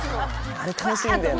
あれ楽しいんだよね。